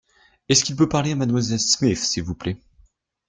Est-ce qu’il peut parler à mademoiselle Smith, s’il vous plait ?